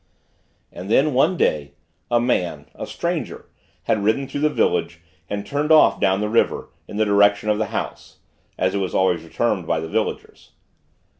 And then, one day, a man, a stranger, had ridden through the village, and turned off down the river, in the direction of the House, as it was always termed by the villagers.